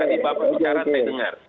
tadi bapak bicara saya dengar